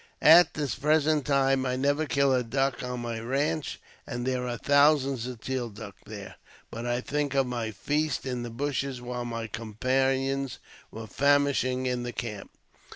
At this present time I never kill a duck on my ranche, and there are thousands of teal duck there, but I think of my feast in the bushes while my companions were famishing in the camp.